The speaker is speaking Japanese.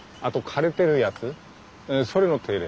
それの手入れ。